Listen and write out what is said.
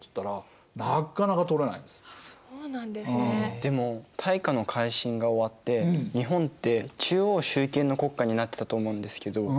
でも大化の改新が終わって日本って中央集権の国家になってたと思うんですけど。